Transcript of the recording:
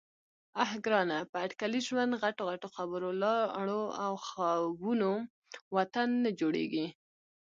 _اه ګرانه! په اټکلي ژوند، غټو غټو خبرو، لاړو او خوبونو وطن نه جوړېږي.